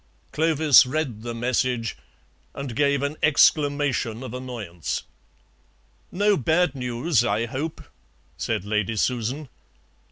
Clovis read the message and gave an exclamation of annoyance. "No bad news, I hope," said Lady Susan.